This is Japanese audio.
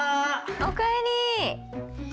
お帰り。